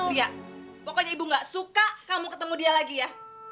dia pokoknya ibu gak suka kamu ketemu dia lagi ya